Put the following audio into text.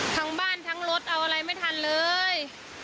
ทั้งบ้านทั้งรถเอาอะไรไม่ทันเลย